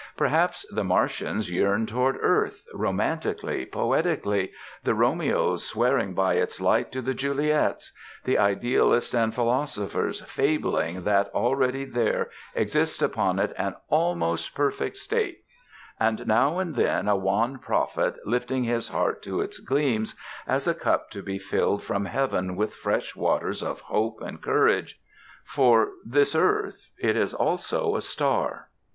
Perhaps the Martians yearn toward earth, romantically, poetically, the Romeos swearing by its light to the Juliets; the idealists and philosophers fabling that already there exists upon it an ALMOST PERFECT STATE and now and then a wan prophet lifting his heart to its gleams, as a cup to be filled from Heaven with fresh waters of hope and courage. For this earth, it is also a star.